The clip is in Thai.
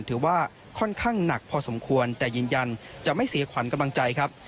ถือว่าค่อนข้างหนักพอสมควรแต่ยืนยันจะไม่เสียขวัญกำลังใจครับ